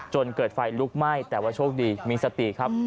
จนเกิดไฟลุกไหม้แต่ว่าโชคดีมีสติครับ